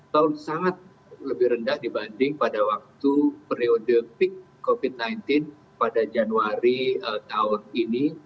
tahun sangat lebih rendah dibanding pada waktu periode peak covid sembilan belas pada januari tahun ini